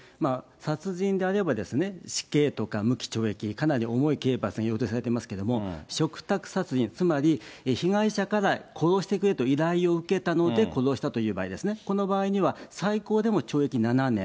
殺人であれば、死刑とか無期懲役、かなり重い刑罰が用意されてますけれども、嘱託殺人、つまり被害者から殺してくれと依頼を受けたので、殺したという場合ですね、この場合には、最高でも懲役７年。